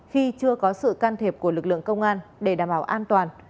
khi chưa có sự can thiệp của lực lượng công an để đảm bảo an toàn